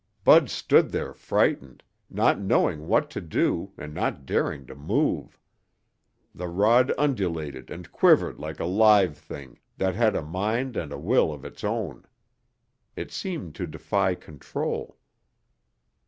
Bud stood there frightened, not knowing what to do and not daring to move. The rod undulated and quivered like a live thing that had a mind and a will of its own. It seemed to defy control.